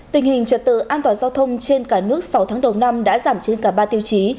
tình hình trật tự an toàn giao thông trên cả nước sáu tháng đầu năm đã giảm trên cả ba tiêu chí